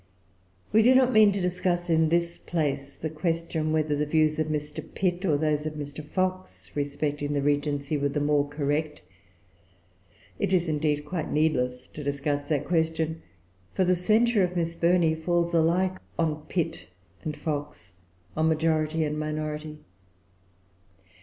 We do not mean to discuss, in this place, the question, whether the views of Mr. Pitt or those of Mr. Fox respecting the regency were the more correct. It is, indeed, quite needless to discuss that question, for the censure of Miss Burney falls alike on Pitt and Fox, on majority and minority.